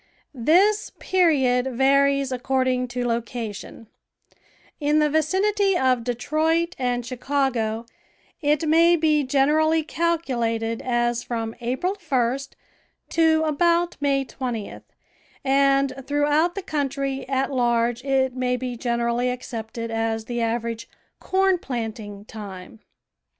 This period varies ac cording to location; in the vicinity of Detroit and Chicago it may be generally calculated as from April 1st to about May 20th, and throughout the country at large it may be generally accepted as the average " corn planting time."